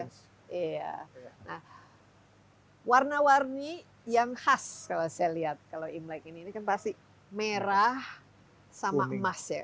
iya nah warna warni yang khas kalau saya lihat kalau imlek ini kan pasti merah sama emas ya